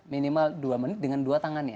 minimal dua menit dengan dua tangannya